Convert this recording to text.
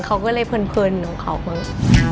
เขาก็เลยเพลินของเขามั้ง